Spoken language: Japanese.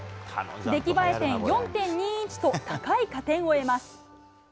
出来栄え点４．２１と高い加点を得ます。